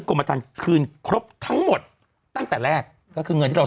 โอ้โห